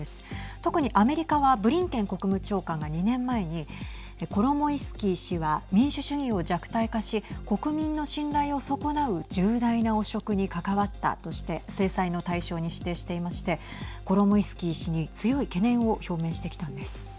特にアメリカはブリンケン国務長官が２年前にコロモイスキー氏は民主主義を弱体化し国民の信頼を損なう重大な汚職に関わったとして制裁の対象に指定していましてコロモイスキー氏に強い懸念を表明してきたのです。